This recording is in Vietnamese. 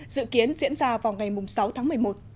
dự kiến diễn ra vào ngày sáu tháng một mươi một